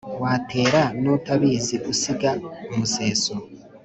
watera n'utabizi gusiga, museso,